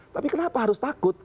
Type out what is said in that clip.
tapi kenapa harus takut